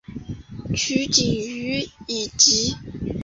取景于以及。